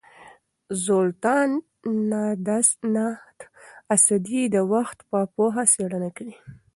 زولتان ناداسدي د وخت په پوهه څېړنه کوي.